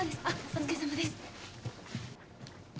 お疲れさまです！